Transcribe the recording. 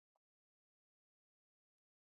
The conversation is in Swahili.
la kifo na ufufuko wake mwenyewe Kitabu kitakatifu cha